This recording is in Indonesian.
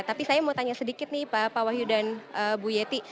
tapi saya mau tanya sedikit nih pak wahyu dan bu yeti